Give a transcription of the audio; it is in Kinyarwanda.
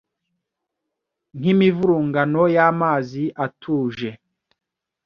nk'imivurungano y'amazi atuje